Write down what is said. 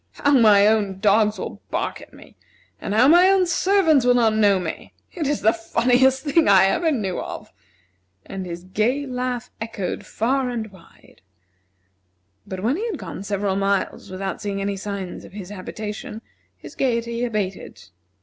How my own dogs will bark at me! And how my own servants will not know me! It is the funniest thing I ever knew of!" And his gay laugh echoed far and wide. But when he had gone several miles without seeing any signs of his habitation, his gayety abated.